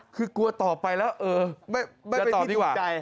คือกลัวต่อไปแล้วเออไม่เป็นที่ติดใจ